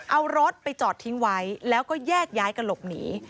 เอารถไปจอดทิ้งไว้แล้วก็แยกย้ายกันหลบหนี